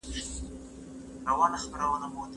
څونه وخت غواړي چي دغه کوچنی ډوډې وخوري؟